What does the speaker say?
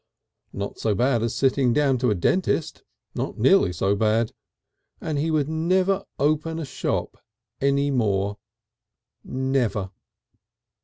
Not so bad as sitting down to a dentist, not nearly so bad. And he would never open a shop any more. Never!